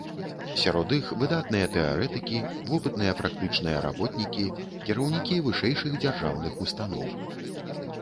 Сярод іх выдатныя тэарэтыкі, вопытныя практычныя работнікі, кіраўнікі вышэйшых дзяржаўных устаноў.